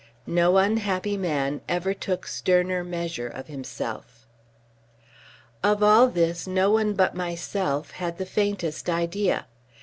No unhappy man ever took sterner measure of himself. Of all this no one but myself had the faintest idea.